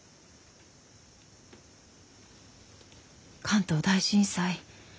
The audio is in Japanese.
関東大震災